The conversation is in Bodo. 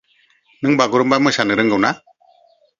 नों बागुरुम्बा मोसानो रोंगौ ना?